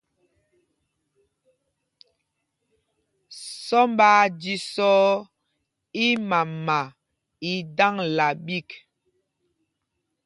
Sɔmb aa jīsɔ̄ɔ̄ ímama í daŋla ɓîk.